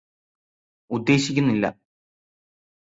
ഉദ്ദേശിക്കുന്നില്ല